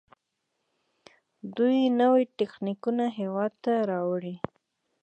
دوی نوي تخنیکونه هیواد ته راوړي.